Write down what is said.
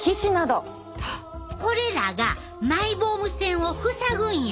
これらがマイボーム腺を塞ぐんや！